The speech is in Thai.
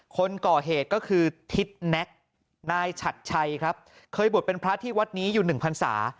คนก่อเหตุก็คือทิศแน็กนายฉัดชัยครับเคยบวชเป็นพระที่วัดนี้อยู่หนึ่งพันศา